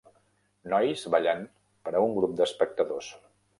Nois ballant per a un grup d'espectadors.